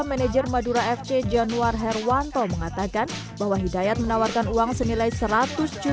manajer madura fc januar herwanto mengatakan bahwa hidayat menawarkan uang untuk sepak bola tanah air selama tiga tahun